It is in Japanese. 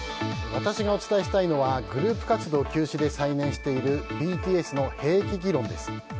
私がお伝えしたいのはグループ活動休止で再燃しているＢＴＳの兵役議論です。